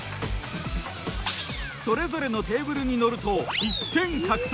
それぞれのテーブルに乗ると１点獲得。